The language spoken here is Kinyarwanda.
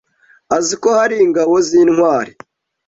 azi ko hari ingabo z intwari